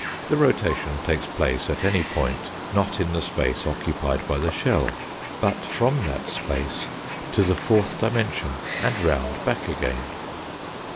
The rotation takes place at any point not in the space occupied by the shell, but from that space to the fourth dimension and round back again.